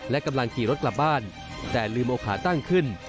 และกำลังขี่รถกลับบ้านแต่ลืมเอาขาตั้งขึ้น